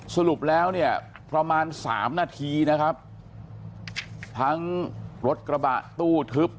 สรุปแล้วเนี่ยประมาณสามนาทีนะครับทั้งรถกระบะตู้ทึบ